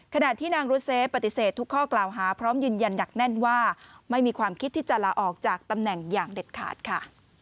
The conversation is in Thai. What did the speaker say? ขณะที่นางรุเซฟปฏิเสธทุกข้อกล่าวหาพร้อมยืนยันหนักแน่นว่าไม่มีความคิดที่จะลาออกจากตำแหน่งอย่างเด็ดขาดค่ะ